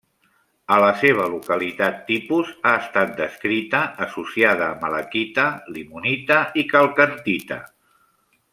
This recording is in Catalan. A la seva localitat tipus ha estat descrita associada a malaquita, limonita i calcantita.